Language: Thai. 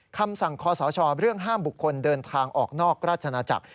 คำสั่งคอสชเรื่องห้ามบุคคลเดินทางออกนอกราชนาจักร